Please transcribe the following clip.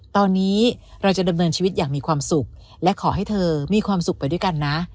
ตอนนี้เราจะดำเนินชีวิตอย่างมีความสุขและขอให้เธอมีความสุขไปด้วยกันนะ